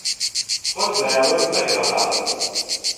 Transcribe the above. خۆت بەراورد مەکە بە قاسم.